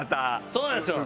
そうなんですよ。